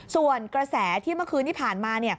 ส่วนกระแสที่เมื่อคืนที่ผ่านมา